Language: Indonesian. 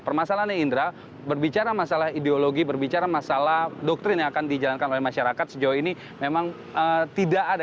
permasalahannya indra berbicara masalah ideologi berbicara masalah doktrin yang akan dijalankan oleh masyarakat sejauh ini memang tidak ada